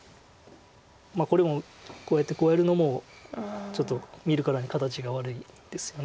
これもこうやってこうやるのもちょっと見るからに形が悪いですよね。